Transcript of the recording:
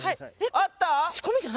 あった？